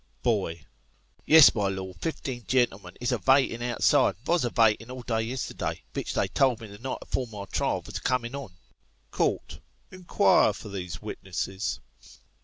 Boy : Yes, my Lord ; fifteen gen'lm'n is a vaten outside, and vos a vaten all day yesterday, vich they told me the night afore my trial vos a coinin' on. Court : Inquire for these witnesses.